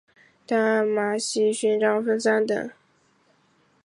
淡马锡勋章分三等。